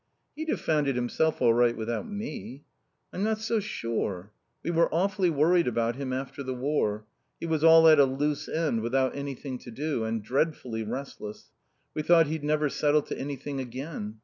"He'd have found it himself all right without me." "I'm not so sure. We were awfully worried about him after the war. He was all at a loose end without anything to do. And dreadfully restless. We thought he'd never settle to anything again.